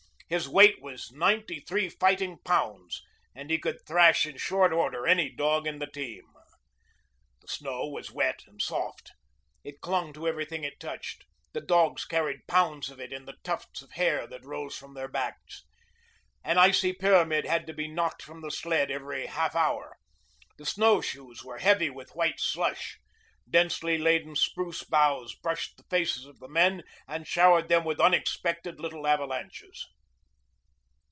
His weight was ninety three fighting pounds, and he could thrash in short order any dog in the team. The snow was wet and soft. It clung to everything it touched. The dogs carried pounds of it in the tufts of hair that rose from their backs. An icy pyramid had to be knocked from the sled every half hour. The snowshoes were heavy with white slush. Densely laden spruce boughs brushed the faces of the men and showered them with unexpected little avalanches.